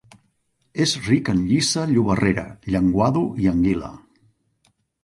És ric en llissa llobarrera, llenguado i anguila.